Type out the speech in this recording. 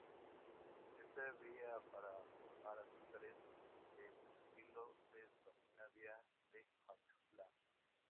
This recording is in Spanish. Esta vía para formar azúcares del mesófilo se denomina Vía de Hatch Slack.